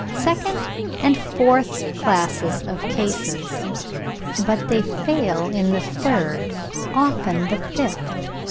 second, and fourth classes of cases; but they fail in the third, often in the fifth (35.